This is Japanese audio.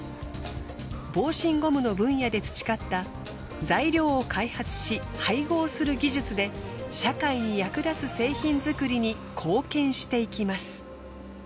防振ゴムの分野で培った材料を開発し配合する技術で社会に役立つ製品作りに貢献していきます。